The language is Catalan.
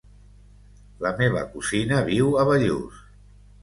La meva cosina viu a Bellús.